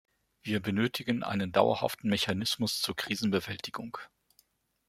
Wir benötigen einen dauerhaften Mechanismus zur Krisenbewältigung.